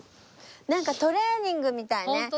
なんかトレーニングみたいね。